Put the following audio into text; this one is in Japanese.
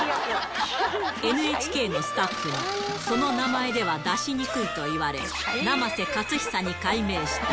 ＮＨＫのスタッフに、その名前では出しにくいと言われ、生瀬勝久に改名した。